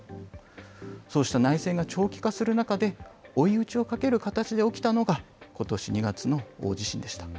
そうした内戦が長期化する中で、追い打ちをかける形で起きたのが、ことし２月の大地震でした。